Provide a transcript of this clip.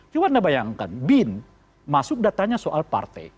cuma anda bayangkan bim masuk datanya soal partai